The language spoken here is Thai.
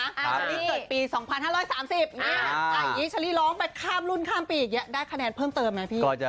ชะลี่เกิดปี๒๕๓๐แต่อย่างนี้ชะลี่ร้องไปข้ามรุ่นข้ามปีได้คะแนนเพิ่มเติมไหมพี่